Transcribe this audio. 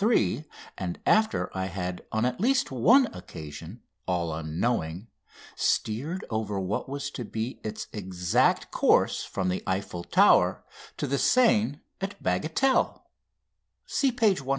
3," and after I had on at least one occasion all unknowing steered over what was to be its exact course from the Eiffel Tower to the Seine at Bagatelle (see page 127).